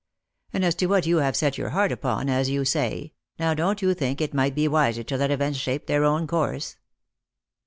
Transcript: And as to what you have set your heart upon, as you say, now don't you think it might be wiser to let events shape their own course